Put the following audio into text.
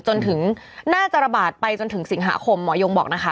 จนถึงน่าจะระบาดไปจนถึงสิงหาคมหมอยงบอกนะคะ